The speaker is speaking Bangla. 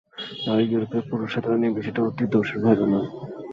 আর ইউরোপী পুরুষসাধারণ ও-বিষয়টা অত দোষের ভাবে না।